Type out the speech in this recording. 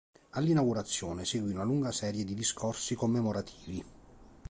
All’inaugurazione seguì una lunga serie di discorsi commemorativi.